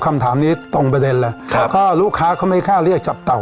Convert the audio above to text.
คำถามนี้ตรงประเด็นเลยครับก็ลูกค้าเขาไม่กล้าเรียกจับเต่า